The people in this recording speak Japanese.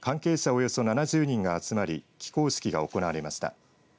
およそ７０人が集まり起工式が行われました。